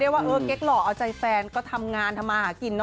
ว่าเออเก๊กหล่อเอาใจแฟนก็ทำงานทำมาหากินเน